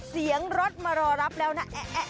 เสียงรถมารอรับแล้วนะแอ๊ะ